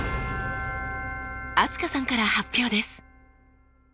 飛鳥さんから発表です。